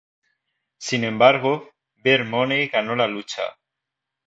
Sin embargo, Beer Money ganó la lucha.